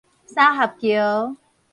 三合橋